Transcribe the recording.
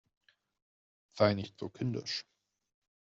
Sei nicht so kindisch!